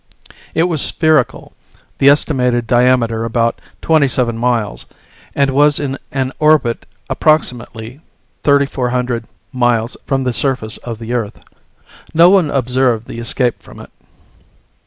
It was spherical, the estimated diameter about twenty seven miles, and was in an orbit approximately 3400 miles from the surface of the Earth. No one observed the escape from it.